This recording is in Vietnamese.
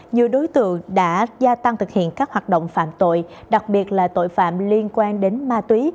nhiều đối tượng đã gia tăng thực hiện các hoạt động phạm tội đặc biệt là tội phạm liên quan đến ma túy